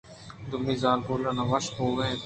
دومی زالبول ءَ نہ وش بوئگءَ اَت